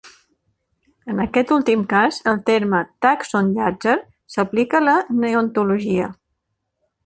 En aquest últim cas, el terme "tàxon Llàtzer" s'aplica a la neontologia.